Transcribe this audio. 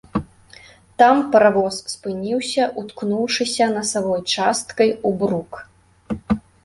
Там паравоз спыніўся, уткнуўшыся насавой часткай у брук.